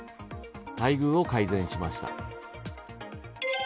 待遇を改善しました。